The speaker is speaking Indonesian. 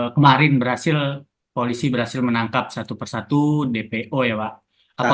kemarin berhasil polisi berhasil menangkap satu persatu dpo ya pak